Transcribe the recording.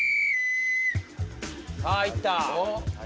さぁいった！